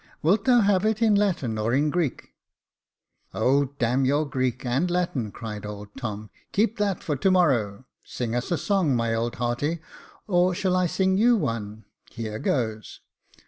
Wilt thou have it in Latin or in Greek ?"" O, d — n your Greek and Latin !" cried old Tom : "keep that for to morrow. Sing us a song, my old hearty j or shall I sing you one .? Here goes.